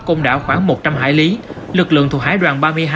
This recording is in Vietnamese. công đảo khoảng một trăm linh hải lý lực lượng thuộc hải đoàn ba mươi hai